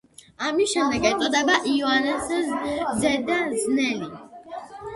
ამის შემდეგ ეწოდა იოანეს ზედაზნელი.